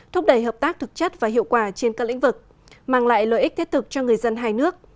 thúc đẩy hợp tác thực chất và hiệu quả trên các lĩnh vực mang lại lợi ích thiết thực cho người dân hai nước